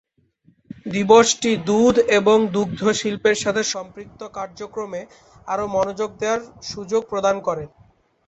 দিবসটি দুধ এবং দুগ্ধ শিল্পের সাথে সম্পৃক্ত কার্যক্রমে আরো মনোযোগ দেওয়ার সুযোগ প্রদান করে।